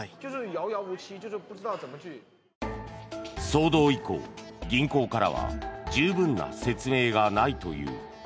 騒動以降、銀行からは十分な説明がないという。